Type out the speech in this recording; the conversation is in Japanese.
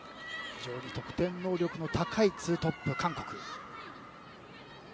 非常に得点能力の高い２トップ、韓国。